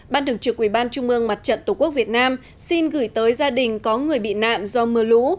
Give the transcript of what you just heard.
ban thường trực ubnd tổ quốc việt nam xin gửi tới gia đình có người bị nạn do mưa lũ